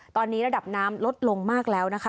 ตอนนี้ระดับน้ำลดลงมากแล้วนะคะ